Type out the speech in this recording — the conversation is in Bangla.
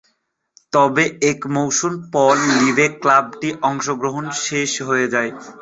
তবে, এক মৌসুম পর লীগে ক্লাবটির অংশগ্রহণ শেষ হয়ে যায়।